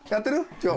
今日。